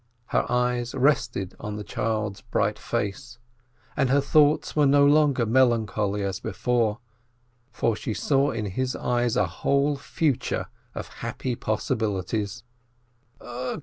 Her eyes rested on the child's bright face, and her thoughts were no longer melancholy as before, for she saw in his eyes a whole future of happy possibilities.